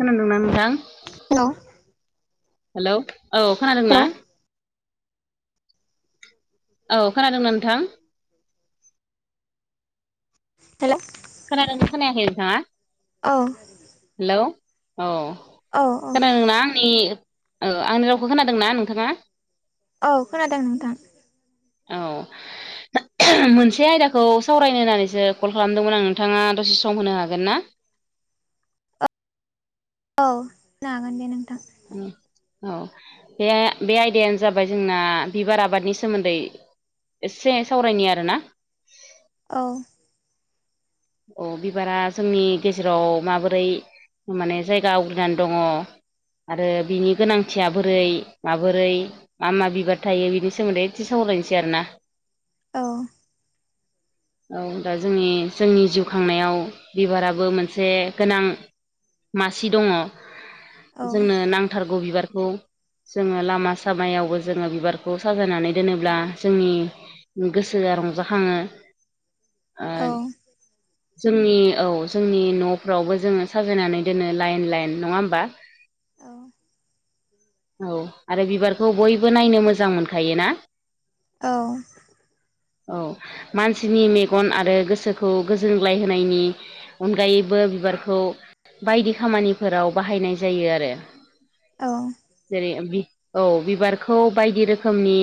खोनादोंना नोंथां hello hello औ खोनादोंना हेल' औ खोनादोंना नोंथां हेल खोनादों खोनायाखै नोंथाङा अ हेलौ अ औ औ खोनादोंना आंनि ओ आंनि रावखौ खोनादोंना नोंथाङा औ खोनादों नोंथां औ मोनसे आयदाखौ सावरायनो होननानैसो कल खालामदोंमोन आं नोंथाङा दसे सम होनो हागोनना? औ होनो हागोन दे नोंथां औ बे बे आयदायानो जाबाय जोंना बिबार आबादनि सोमोन्दै एसे सावरायनि आरोना औ अ बिबारा जोंनि गेजेराव माबोरै माने जायगा आवग्रिनानै दङ। आरो बिनि गोनांथिया बोरै माबोरै मा मा बिबार थायो बिनि सोमोन्दै एसे सावरायनोसै आरो ना औ औ दा जोंनि जोंनि जिउ खांनायाव बिबाराबो मोनसे गोनां मासि दङ औ जोंनो नांथारगौ बिबारखौ जोङो लामा सामायावबो जोङो बिबारखौ साजायनानै दोनोब्ला जोंनि गोसोआ रंजाखाङो ओ औ जोंनि औ जोंनि न'फ्रावबो जोङो साजायनानै दोनो लाइन लाइन नङा ओमबा औ औ आरो बिबारखौ बयबो नायनो मोजां मोनखायोना औ औ मानसिनि मेगन आरो गोसो खौ गोजोनग्लाय होनायनि अनगायैबो बिबारखौ बायदि खामानिफोराव बाहायनाय जायो आरो औ जेरै बि औ बिबारखौ बायदि रोखोमनि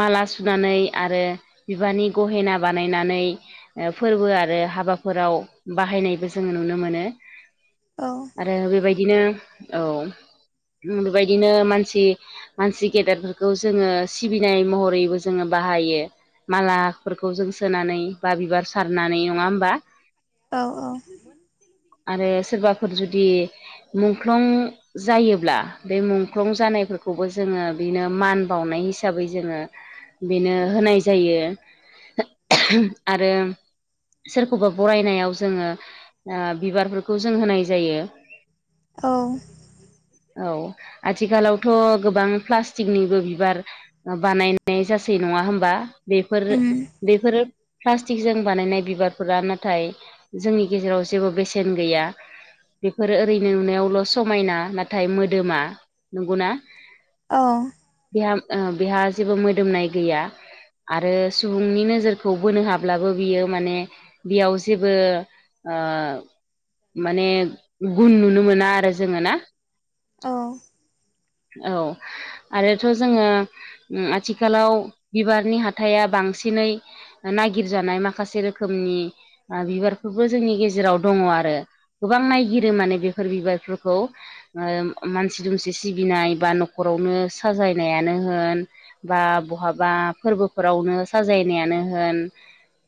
माला सुनानै आरो बिबारनि गहेना बानायनानै फोरबो आरो हाबाफोराव बाहायनायबो जोङो नुनो मोनो औ आरो बेबायदिनो औ बेबायदिनो मानसि मानसि गेदेरफोरखौ जोङो सिबिनाय महरैबो जोङो बाहायो मालाफोरखौ जों सोनानै बा बिबार सारनानै नङा होमबा औ औ आरो सोरबाफोर जुदि मुंख्लं जायोब्ला बे मुंख्लं जानायफोरखौबो जोङो बिनो मान बावनाय हिसाबै जोङो बेनो होनाय जायो आरो सोरखौबा बरायनायाव जोङो बिबारफोरखौ जों होनाय जायो औ औ आथिखालावथ' गोबां प्लास्टिकनिबो बिबार बानायनाय जासै नङा होमबा बेफोरो उम बेफोरो प्लास्टिकजों बानायनाय बिबारफोरा नाथाय जोंनि गेजेराव जेबो बेसेन गैया बेफोर ओरैनो नुनायावल' समायना नाथाय मोदोमा नंगौना औ बेहा बेहा जेबो मोदोमनाय गैया आरो सुबुंनि नोजोरखौ बोनो हाब्लाबो बियो माने बियाव जेबो आ माने गुन नुनो मोना आरो जोङो ना अ औ आरोथ' जोङो आथिखालाव बिबारनि हाथाया बांसिनै नागिरजानाय माखासे रोखोमनि बिबारफोरबो जोंनि गेजेराव दङ आरो। गोबां नायगिरो माने बेफोर बिबारफोरखौ मानसि दुमसि सिबिनाय बा न'खरावनो साजायनायानो होन बा बहाबा फोरबोफोरावनो साजायनायानो होन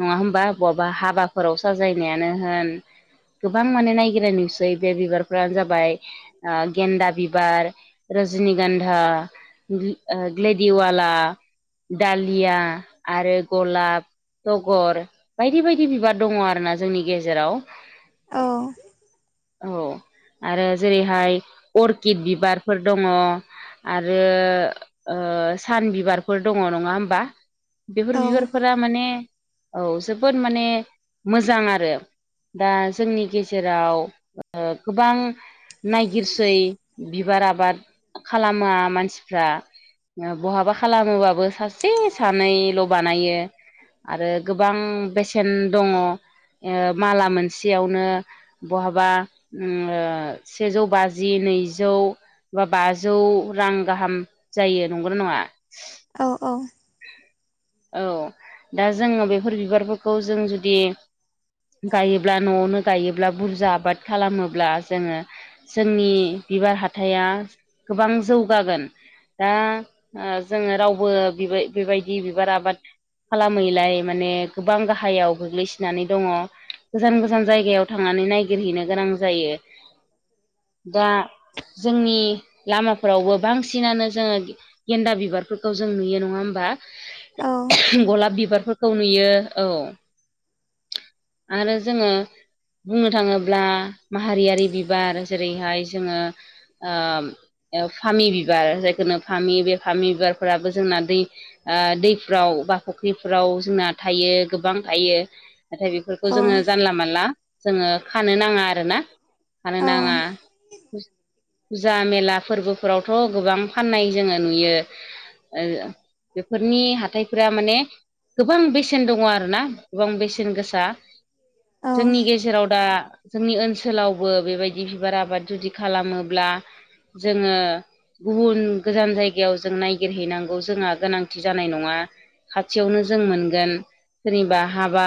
नङा होमबा बहाबा हाबाफोराव साजायनायानो होन गोबां माने नायगिरना नुसै बे बिबारफ्रानो जाबाय गेन्दा बिबार रजनि गान्धा ग्लेडिवाला दालिया आरो गलाब गर बायदि बायदि बिबार दङ आरोना जोंनि गेजेराव औ औ आरो जेरैहाय अर्किड बिबारफोर दङ आरो ओ सान बिबारफोर दङ नङा होमबा बेफोर बिबारफोरा माने औ जोबोद माने मोजां आरो दा जोंनि गेजेराव गोबां नायगिरसै बिबार आबाद खालामा मानसिफ्रा बहाबा खालामोबाबो सासे सानैल' बानायो आरो गोबां बेसेन दङ माला मोनसेयावनो बहाबा सेजौ बाजि नैजौ बा बाजौ रां गाहाम जायो नंगौ नङा औ औ औ दा जोङो बेफोर बिबारफोरखौ जों जुदि गायोब्ला न'आवनो गायोब्ला बुरजा आबाद खालामोब्ला जोङो जोंनि बिबार हाथाया गोबां जौगागोन दा जोङो रावबो बिबाय बेबायदि बिबार आबाद खालामैलाय माने गोबां गाहायाव गोग्लैसोनानै दङ गोजान गोजान जायगायाव थांनानै नायगिरहैनो गोनां जायो दा जोंनि ला लामाफ्रावबो बांसिनानो जोङो गेन्दा बिबारफोरखौ जों नुयो नङा होमबा गलाब बिबारफोरखौ नुयो औ आरो जोङो बुंनो थाङोब्ला माहारियारि बिबार जेरैहाय जोङो ओम फामि बिबार जायखोनो फामि बे फामि बिबारफोराबो जोंना दै ओ दै फ्राव बा फुख्रिफ्राव जोंना थायो गोबां थायो नाथाय बे बेफोरखौ जोङो जानला मानला जोङो खानो नाङा आरोना खानो नाङा फुजा मेला फोरबोफोरावथ' गोबां फाननाय जोङो नुयो ओ बेफोरनि हाथ हाथायफोरा माने गोबां बेसेन दङ' आरोना गोबां बेसेन गोसा जोंनि गेजेराव दा जोंनि ओनसोलावबो बेबायदि बिबार आबाद जुदि खालामोब्ला जोङो गुबुन गोजान जायगायाव जों नायगिरहैनांगौ जोंहा गोनां थि जानाय नङा खाथियावनो जों मोनगोन सोरनिबा हाबा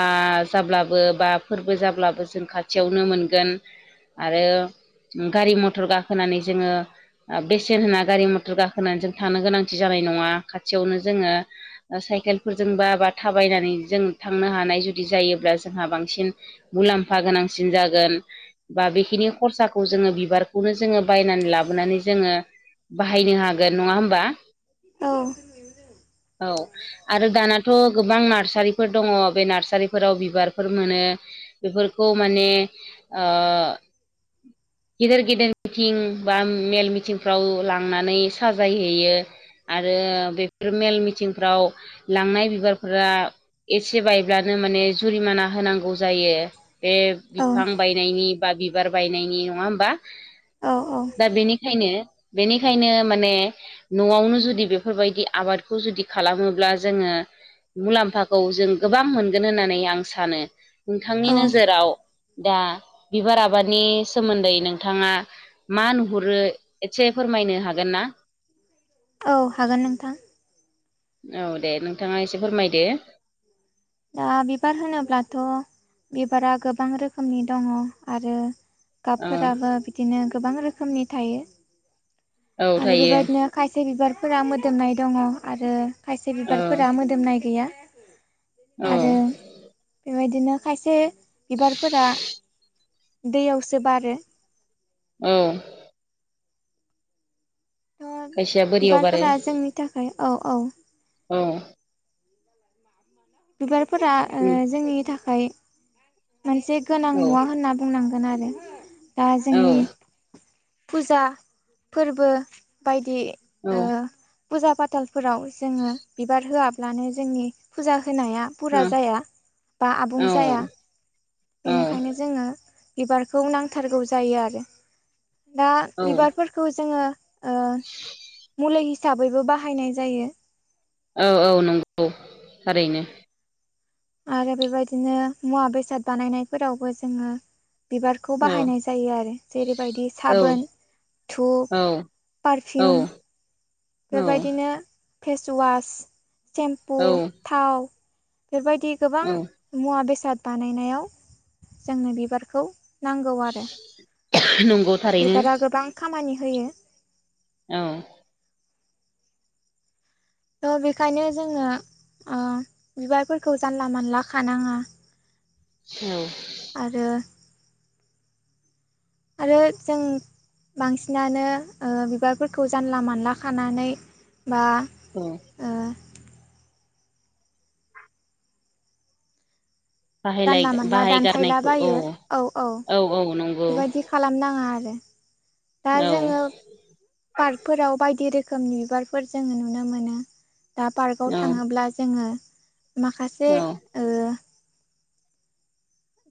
जाब्लाबो बा फोरबो जाब्लाबो जों खाथियावनो मोनगोन आरो गारि मटर गाखोनानै जोङो बेसेन होना गारि मटर गाखोनानै जों थानो गोनां थि जानाय नङा खाथियावनो जोङो साइकेलफोरजोंबा बा थाबायनानै जों थांनो हानाय जुदि जायोब्ला जोंहा बांसिन मुलाम्फा गोनांसिन जागोन बा बेखिनि खरसाखौ जोङो बिबारखौनो जोङो बायनानै लाबोनानै जोङो बाहायनो हागोन नङा होमबा औ आरो दानाथ' गोबां नार्सारिफोर दङ' बे नार्सारिफोराव बिबारफोर मोनो बेफोरखौ माने ओ गेदेर गेदिर मिथिं बा मेल मिथिंफ्राव लांनानै साजायहैयो आरो बेफोर मेल मिटिंफ्राव लांनाय बिबारफोरा एसे बायब्लानो माने जुरिमाना होनांगौ जायो बे बिफां बायनायनि बा बिबार बायनायनि नङा होमबा अ-अ दा बेनिखायनो बेनिखायनो माने न'आवनो जुदि बेफोर बायदि आबादखौ जुदि खालामोब्ला जोङो मुलाम्फाखौ जों गोबां मोनगोन होननानै आं सानो औ नोंथांनि नोजोराव दा बिबार आबादनि सोमोन्दै नोंथाङा मा नुहुरो एसे फोरमायनो हागोन ना औ हागोन नोंथां औ दे नोंथाङा एसे फोरमायदो दा बिबार होनोब्लाथ' बिबारा गोबां रोखोमनि दङ' आरो औ गाबफोराबो बिदिनो गोबां रोखोमनि थायो औ आरो थायो बेबायदिनो खायसे बिबारफोरा मोदोमनाय दङ' आरो खायसे औ बिबारफोरा मोदोमनाय गैया औ आरो बेबायदिनो खायसे बिबारफोरा दैयावसो बारो औ थ' खायसेया बोरियाव बारो बिबारफोरा जोंनि थाखाय औ-औ औ बिबारफोरा उम ओ जोंनि थाखाय मोनसे गोनां औ मुवा होनना बुंनांगोन आरो दा औ जोंनि फुजा फोरबो बायदि औ ओ फुजा फाथालफोराव जोङो बिबार होआब्लानो जोंनि फुजा होनाया फुरा जाया बा आबुं जाया औ बेनिखायनो जोङो बिबारखौ नांथारगौ जायो आरो दा औ बिबारफोरखौ जोङो ओ मुलै हि हिसाबैबो बाहायनाय जायो। औ औ नंगौ थारैनो आरो बेबायदिनो मुवा बेसाद बानायनायफोरावबो जोङो बिबारखौ औ बाहायनाय जायो आरो जेरैबायदि औ साबोन धुप औ औ पारफिउम औ बेबायदिनो फेसवास सेम्पु औ थाव बेबायदि गोबां औ मुवा बेसाद बानायनायाव जोंनो बिबारखौ नांगौ आरो। नंगौ थारैनो बिबारा गोबां खामानि होयो औ थ' बेखायनो जोङो ओ बिबारफोरखौ जानला मानला खानाङा। उम आरो आरो जों बांसिनानो ओ बिबारफोरखौ जानला मानला खानानै बा औ ओ बाहायलाय जानला मानला दानफायला बाहायगारनायखौ बायो औ औ औ नंगौ बेबायदि खालामनाङा आरो दा औ जोङो पार्कफोराव बायदि रोखोमनि बिबारफोर जोङो नुनो मोनो। दा पार्कआव औ थाङोब्ला जोङो माखासे औ ओ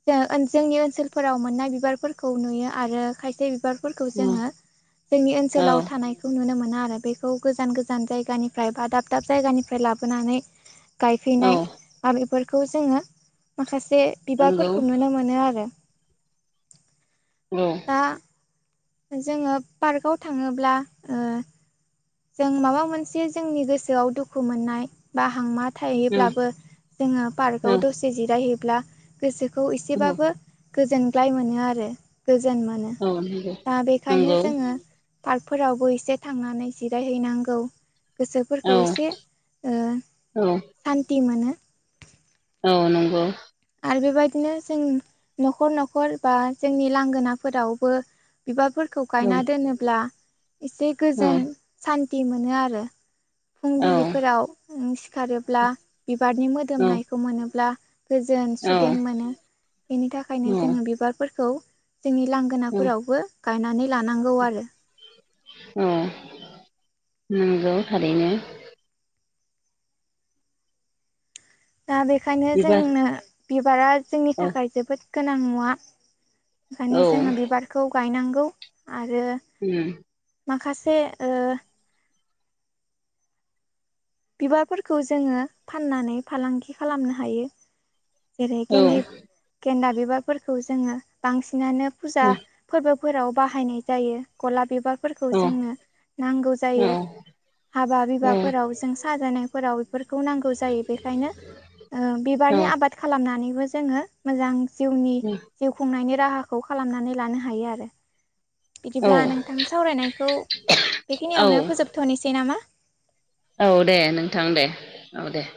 जों जोंनि ओनसोलफोराव मोननाय बिबारफोरखौ नुयो आरो खायसे बिबार फोरखौ जोङो जोंनि ओनसोलाव थानाय बेखौ नुनो मोनो आरो बेखौ गोजान गोजान जायगानिफ्राय बा दाब दाब जायगानिफ्राय लाबोनानै औ गायफैनाय बा बेफोरखौ जोङो माखासे नंगौ बिबारफोरखौ नुनो मोनो आरो औ दा जोङो पार्कआव थाङोब्ला ओ जों माबा मोनसे जोंनि गोसोआव दुखु मोननाय बा हांमा औ थायोब्लाबो जोङो औ पार्कआव दसे जिरायहैब्ला गोसोखौ एसेबाबो गोजोनग्लाय मोनो आरो गोजोन मोनो। औ नंगौ दा बेखायनो नंगौ जोङो पार्कफोरावबो एसे थांनानै जिरायहैनांगौ औ गोसोफोरखौ एसे ओ औ सान्थि मोनो। औ नंगौ। आरो बेबायदिनो जों नखर नखर बा जोंनि लांगोनाफोरावबो बिबारफोर फोरखौ औ गायना दोनोब्ला एसे औ गोजोन सान्थि मोनो आरो। फुंबिलिफोराव सिखारोब्ला बिबारनि मोदोमनायखौ मोनोब्ला गोजोन औ सुदेम मोनो बेनि थाखायनो जोङो बिबारफोरखौ जोंनि लां औ गोनाफोरावबो गायनानै लानांगौ आरो। औ नंगौ थारैनो। दा बेखायनो बिबार जोंनो बिबारा जोंनि औ थाखाय जोबोद गोनां मुवा। ओंखायनो औ जोङो बिबारखौ गायनांगौ आरो उम माखासे ओ बिबारफोरखौ जोङो फाननानै फालांगि खालामनो हायो। जेरै औ गेन्दि गेन्दा बिबारफोरखौ जोङो बांसिनानो फुजा औ फोरबोफोराव बाहायनाय जायो। गलाब बिबारफोरखौ औ जोंनो नांगौ औ जायो हाबा बिबाफोराव। साजानायफोराव बेफोरखौ नांगौ जायो बेनिखायनो ओ बिबारनि आबाद खालामनानैबो जोङो मोजां जिउनि जिउ खुंनायनि राहाखौ खालामनानै लानो हायो आरो औ बिदिब्ला नोंथां सावरायनायखौ बेखिनियावनो फोजोबथ'नोसै नामा? औ दे नोंथां दे औ दे